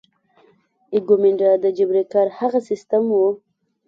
ایکومینډا د جبري کار هغه سیستم وو.